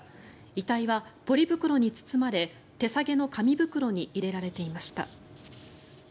遺体はポリ袋に包まれ手提げの紙袋に入れられていました。